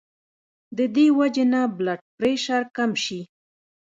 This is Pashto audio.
د دې وجې نه بلډ پرېشر کم شي